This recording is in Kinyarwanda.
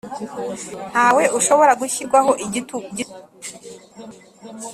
Ntawe ushobora gushyirwaho igitugu